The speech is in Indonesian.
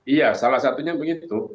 iya salah satunya begitu